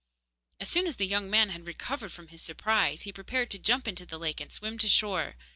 As soon as the young man had recovered from his surprise, he prepared to jump into the lake and swim to shore.